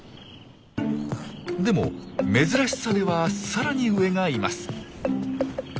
でも珍しさではさらに上がいます。